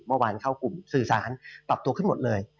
เมื่อวานเข้ากลุ่มสื่อสารปรับตัวขึ้นหมดเลย